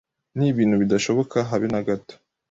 ni ibintu bidashoboka habe nagato